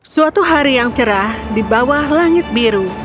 suatu hari yang cerah di bawah langit biru